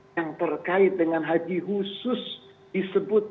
yang terkait dengan haji khusus disebut